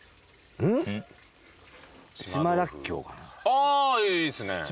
ああいいっすね島